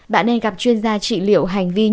bạn nên gặp chuyên gia trị liệu hành vi